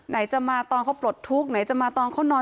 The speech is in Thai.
ไหนจะมาตอนเขาปลดทุกข์ไหนจะมาตอนเขานอน